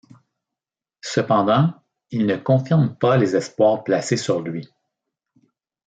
Cependant, il ne confirme pas les espoirs placés sur lui.